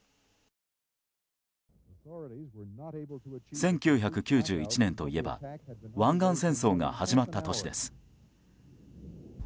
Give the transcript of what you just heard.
１９９１年といえば湾岸戦争が始まった年です。